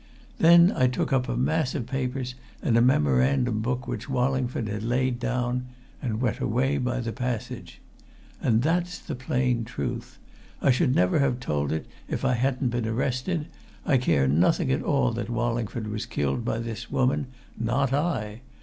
Then I took up a mass of papers and a memorandum book which Wallingford had laid down and went away by the passage. And that's the plain truth! I should never have told it if I hadn't been arrested. I care nothing at all that Wallingford was killed by this woman not I!